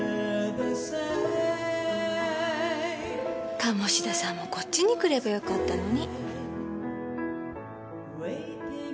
鴨志田さんもこっちに来ればよかったのに。